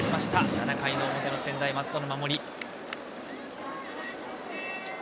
７回の表の専大松戸の守り。